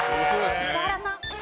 石原さん。